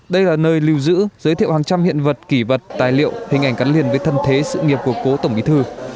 đây là nơi lưu giữ giới thiệu hàng trăm hiện vật kỷ vật tài liệu hình ảnh cắn liền với thân thế sự nghiệp của cố tổng bí thư